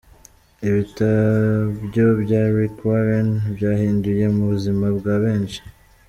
Ibitabyo bya Rick Warren byahinduye ubuzima bwa benshi.